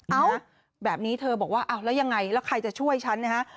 เอ้าแบบนี้เธอบอกว่าแล้วยังไงแล้วใครจะช่วยฉัน